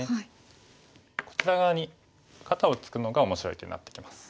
こちら側に肩をツクのが面白い手になってきます。